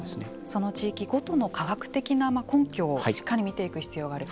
その地域ごとの科学的な根拠をしっかり見ていく必要がある。